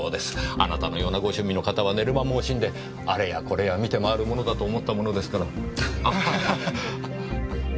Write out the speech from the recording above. あなたのようなご趣味の方は寝る間も惜しんであれやこれや見て回るものだと思ったものですから。